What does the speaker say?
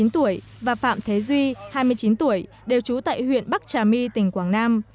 chín tuổi và phạm thế duy hai mươi chín tuổi đều trú tại huyện bắc trà my tỉnh quảng nam